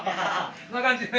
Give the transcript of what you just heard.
こんな感じでね。